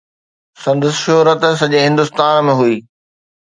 سندس شهرت سڄي هندستان ۾ هئي.